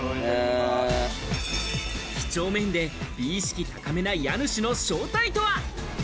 几帳面で美意識高めな家主の正体とは？